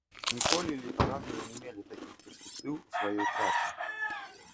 Ніколі літаратары не мелі такіх перспектыў у сваёй працы.